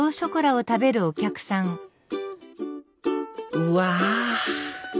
うわ！